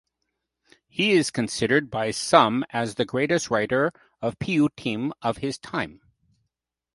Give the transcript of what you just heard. He is considered by some as the greatest writer of piyyutim of his time.